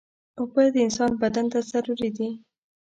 اوبه د انسان بدن ته ضروري دي.